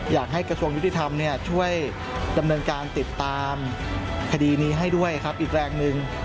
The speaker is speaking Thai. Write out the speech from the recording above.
อยากให้กระทรวงยุติธรรมช่วยดำเนินการติดตามคดีนี้ให้ด้วยครับอีกแรงหนึ่ง